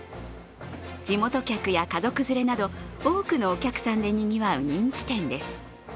地元客や家族連れなど多くのお客さんでにぎわう人気店です。